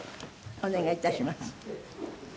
お願いいたします。